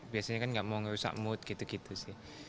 biasanya kan nggak mau ngerusak mood gitu gitu sih